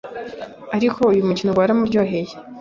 ariko uyu mukino ngo waramuryoheye